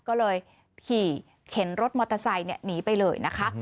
ก็เลยขี่เข็นรถมอเตอร์ไซค์หนีไปเลยนะคะ